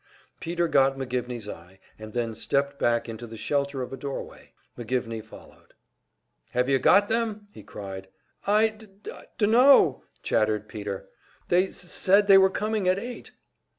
Peter got McGivney's eye, and then stepped back into the shelter of a doorway. McGivney followed. "Have you got them?" he cried. "I d d dunno!" chattered Peter. "They s s said they were c coming at eight!"